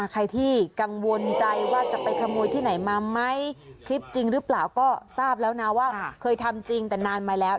ใครที่กังวลใจว่าจะไปขโมยที่ไหนมาไหมคลิปจริงหรือเปล่าก็ทราบแล้วนะว่าเคยทำจริงแต่นานมาแล้ว